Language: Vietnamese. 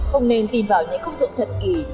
không nên tìm vào những công dụng thật kỳ